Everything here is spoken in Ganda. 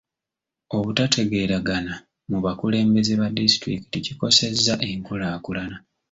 Obutategeeragana mu bakulembeze ba disitulikiti kikosezza enkulaakulana.